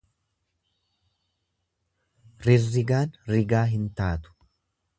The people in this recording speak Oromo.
Rirrigaan rigaa hin taatu.